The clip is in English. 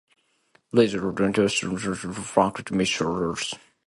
Residents rebuilt a short distance away on higher ground, creating New Franklin, Missouri.